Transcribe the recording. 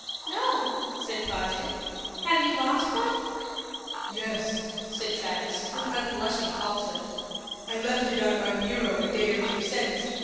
"No," said Fosdick; "have you lost one?" "Yes," said Travis, with unblushing falsehood. "I left it on my bureau a day or two since.